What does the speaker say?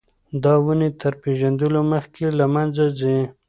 دا ونې تر پېژندلو مخکې له منځه ځي.